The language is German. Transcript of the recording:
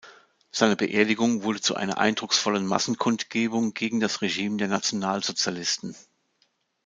Seine Beerdigung wurde zu einer eindrucksvollen Massenkundgebung gegen das Regime der Nationalsozialisten.